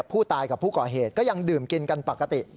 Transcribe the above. ผู้ตายกับผู้ก่อเหตุก็ยังดื่มกินกันปกติ